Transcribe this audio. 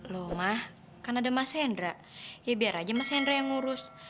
loh mas karena ada mas hendra ya biar aja mas hendra yang ngurus